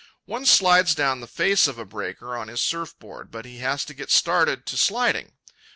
One slides down the face of a breaker on his surf board, but he has to get started to sliding.